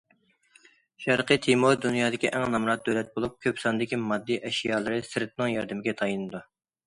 شەرقى تىمور دۇنيادىكى ئەڭ نامرات دۆلەت بولۇپ، كۆپ ساندىكى ماددىي ئەشيالىرى سىرتنىڭ ياردىمىگە تايىنىدۇ.